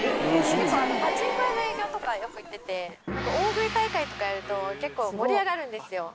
結構あのパチンコ屋の営業とかよく行ってて大食い大会とかやると結構盛り上がるんですよ